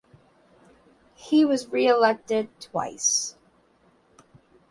He was re-elected twice.